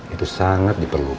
itu sangat diperlukan